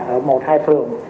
ở một hai thường